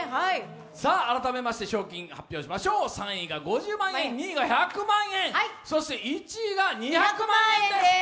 改めまして、賞金を発表しましょう３位が５０万円、２位が１００万円そして１位が２００万円です。